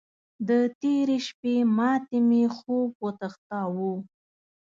د تېرې شپې ماتې مې خوب وتښتاوو.